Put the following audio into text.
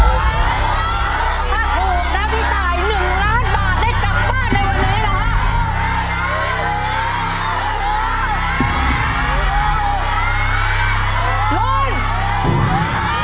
ถ้าถูกนะพี่ตาย๑ล้านบาทได้กลับบ้านในวันนี้นะครับ